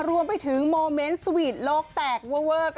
รวมไปถึงโมเมนต์สวีทโลกแตกเวอร์